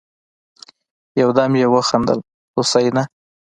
يودم يې وخندل: حسينه!